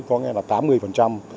có nghĩa là tám mươi